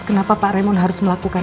kenapa pak raymond harus melakukan ini